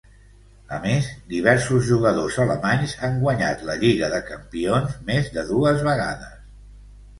A més, diversos jugadors alemanys han guanyat la Lliga de Campions més de dues vegades.